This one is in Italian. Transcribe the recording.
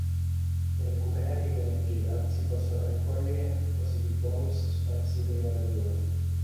Per recuperare l'energia si possono raccogliere gli appositi bonus sparsi per la magione.